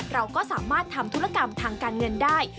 เราก็สามารถทำธุรกรรมทางการเงินได้